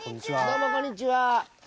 どうもこんにちは。